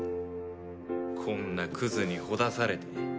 こんなクズにほだされて。